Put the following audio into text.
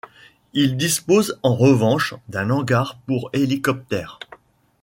Ils disposent en revanche d'un hangar pour hélicoptère.